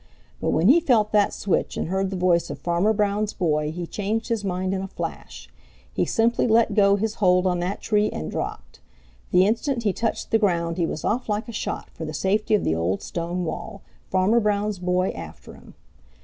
But when he felt that switch and heard the voice of Farmer Brown's boy he changed his mind in a flash. He simply let go his hold on that tree and dropped. The instant he touched the ground he was off like a shot for the safety of the old stone wall, Farmer Brown's boy after him.